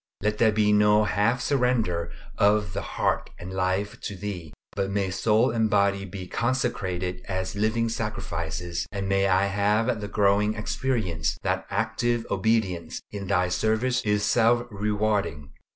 Let there be no half surrender of the heart and life to Thee, but may soul and body be consecrated as living sacrifices, and may I have the growing experience that active obedience in Thy service is self rewarding.